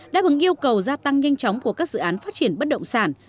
đã bằng yêu cầu gia tăng nhanh chóng của các dự án phát triển bất động sản